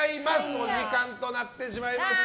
お時間となってしまいました。